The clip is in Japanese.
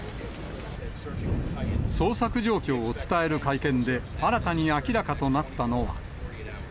捜索状況を伝える会見で、新たに明らかとなったのは。